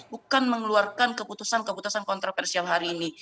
bukan mengeluarkan keputusan keputusan kontroversial hari ini